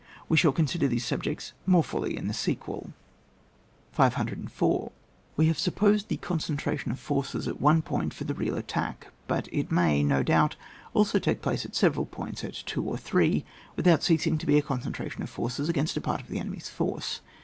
We shall consider these subjects more fully in the sequel. 504. We have supposed the concentra tion of forces at one point for the real attack ; but it may, no doubt, also take place at several points, at two or three, without ceasing to be a a conctntration of forces against a part of the enemy's force.